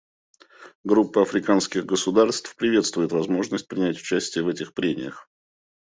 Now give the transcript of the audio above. Группа африканских государств приветствует возможность принять участие в этих прениях.